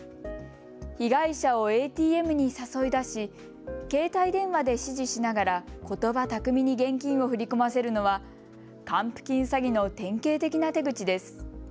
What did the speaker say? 被害者をＡＴＭに誘い出し、携帯電話で指示しながらことば巧みに現金を振り込ませるのは還付金詐欺の典型的な手口です。